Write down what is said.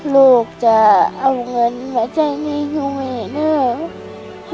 ลูกจะเอาเงินมาแจ้งให้หนูไหมนะ